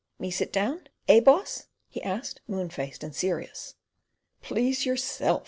"Me sit down? Eh boss?" he asked, moon faced and serious. "Please yourself!"